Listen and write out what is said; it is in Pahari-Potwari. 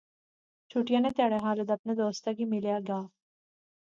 چُھٹی نے تہاڑے خالد اپنے دوستا کی ملنے آسطے گیا